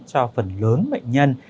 cho phần lớn bệnh nhân